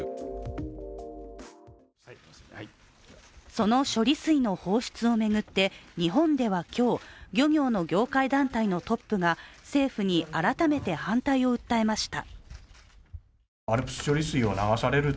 その処理水の放出を巡って、日本では今日漁業の業界団体のトップが政府に改めて反対を訴えました。